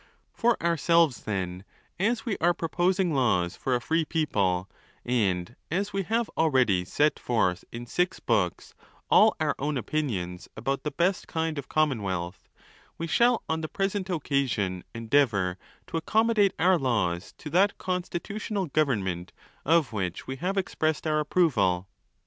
For ourselves, then, as we are proposing laws for a free people, and as we have already set forth in six books all our own, opinions about the best kind of commonwealth, we shall on the present occasion endeavour to accommodate our laws to that constitutional government of which we have expressed our approval.